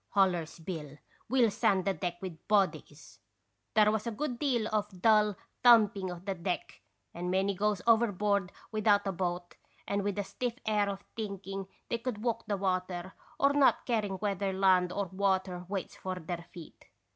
hollers Bill. We '11 sand the deck with bodies !''' There was a good deal of dull thumping of the deck, and many goes overboard without a boat and with a stiff air of thinking they could walk the water, or not caring whether land or water waits for their feet.